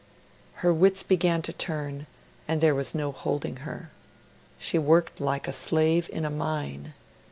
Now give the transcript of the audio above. Her wits began to turn, and there was no holding her. She worked like a slave in a mine.